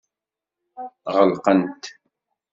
Ɣelqent.